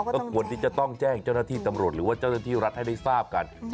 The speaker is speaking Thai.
ก็ควรที่จะต้องแจ้งเจ้าหน้าที่ตำรวจหรือว่าเจ้าหน้าที่รัฐให้ได้ทราบกัน